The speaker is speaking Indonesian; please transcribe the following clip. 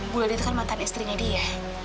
bulan itu kan mantan istrinya dia